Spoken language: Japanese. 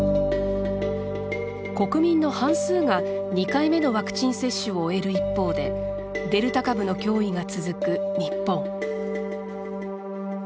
国民の半数が２回目のワクチン接種を終える一方でデルタ株の脅威が続く日本。